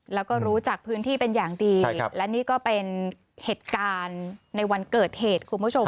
แล้วก็รู้จักพื้นที่เป็นอย่างดีและนี่ก็เป็นเหตุการณ์ในวันเกิดเหตุคุณผู้ชม